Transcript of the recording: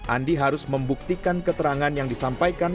andi harus membuktikan keterangan yang disampaikan